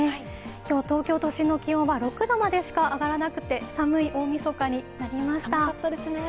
今日、東京都心の気温は６度までしか上がらなくて寒い大みそかになりました。